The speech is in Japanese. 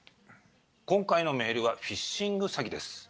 今回のメールはフィッシング詐欺です。